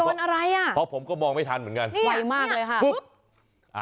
อะไรอ่ะเพราะผมก็มองไม่ทันเหมือนกันไวมากเลยค่ะ